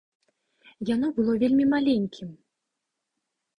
Яно было вельмі маленькім.